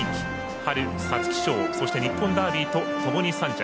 春、皐月賞、日本ダービーとともに３着。